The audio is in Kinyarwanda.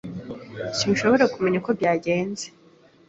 Sinshobora kumenya uko byagenze.